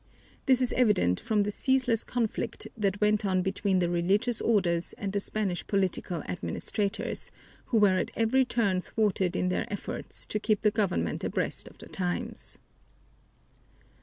This is evident from the ceaseless conflict that went on between the religious orders and the Spanish political administrators, who were at every turn thwarted in their efforts to keep the government abreast of the times.